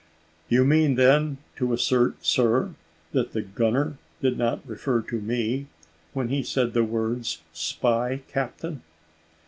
"You mean then to assert, sir, that the gunner did not refer to me when he said the words, `spy captain.'"